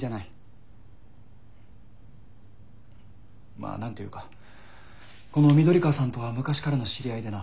まあ何と言うかこの緑川さんとは昔からの知り合いでな。